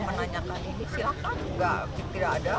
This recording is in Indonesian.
menanyakan ini silahkan